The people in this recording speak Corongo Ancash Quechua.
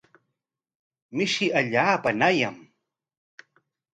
Mishim allaapa ñawyan.